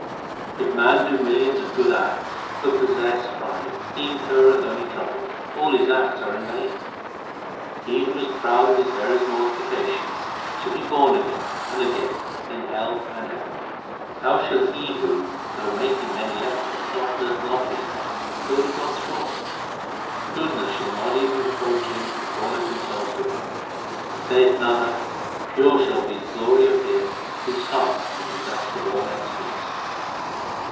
3 If man do millions of good acts but possess pride, He incurreth only trouble ; all his acts are vain. He who is proud of his various mortifications, Shall be born again and again in hell and heaven. How shall he who, though making many efforts, Softeneth not his heart, go to God s court ? Goodness shall not even approach him Who calleth himself good. Saith Nanak, pure shall be the glory of him Whose heart is the dust of all men s feet.